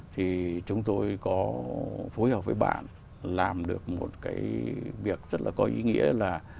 thì chúng tôi có phối hợp với bạn làm được một cái việc rất là có ý nghĩa là